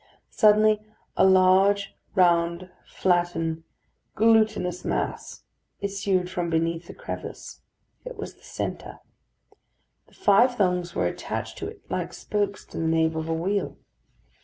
Suddenly a large, round, flattened, glutinous mass issued from beneath the crevice. It was the centre; the five thongs were attached to it like spokes to the nave of a wheel.